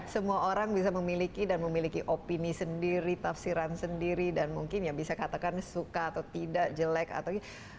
semua orang bisa memiliki dan memiliki opini sendiri tafsiran sendiri dan mungkin ya bisa katakan suka atau tidak jelek atau gimana